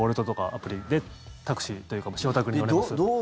アプリでタクシーというか白タクに乗れますって。